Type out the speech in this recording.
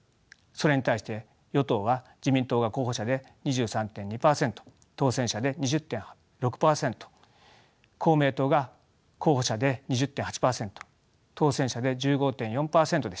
それに対して与党は自民党が候補者で２３．２％当選者で２０．６％公明党が候補者で２０．８％当選者で１５．４％でした。